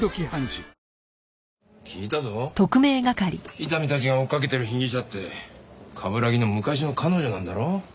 伊丹たちが追っかけてる被疑者って冠城の昔の彼女なんだろ？